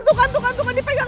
tukan tukan tukan dipegang lagi